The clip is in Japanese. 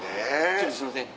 ちょっとすいません。